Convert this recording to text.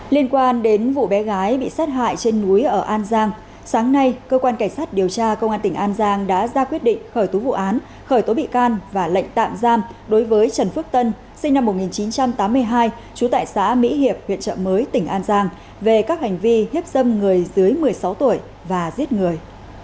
liên quan đến vụ bé gái bị sát hại trên núi ở an giang sáng nay cơ quan cảnh sát điều tra công an tỉnh an giang đã ra quyết định khởi tố vụ án khởi tố bị can và lệnh tạm giam đối với trần phước tân sinh năm một nghìn chín trăm tám mươi hai trú tại xã mỹ hiệp huyện trợ mới tỉnh an giang về các hành vi hiếp dâm người dưới một mươi sáu tuổi và giết người